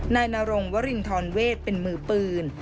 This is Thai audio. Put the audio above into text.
นายนรงวรินทรเวทเป็นมือปืน